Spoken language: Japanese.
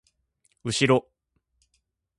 うしろ